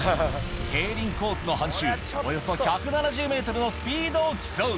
競輪コースの半周、およそ１７０メートルのスピードを競う。